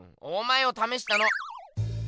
お前をためしたの。